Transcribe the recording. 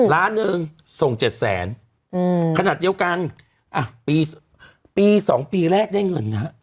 ล้านหนึ่งส่ง๗๐๐๐๐๐บาทขนาดเดียวกันปี๒ปีแรกได้เงินนะ